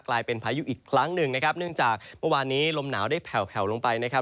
กลายเป็นพายุอีกครั้งหนึ่งนะครับเนื่องจากเมื่อวานนี้ลมหนาวได้แผ่วแผ่วลงไปนะครับ